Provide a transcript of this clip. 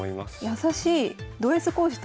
優しい。